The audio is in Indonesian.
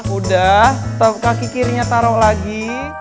udah kaki kirinya taruh lagi